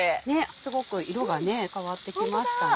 すごく色が変わってきましたね。